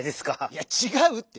いやちがうって！